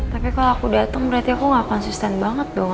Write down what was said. tapi kalau aku datang berarti aku gak konsisten banget dong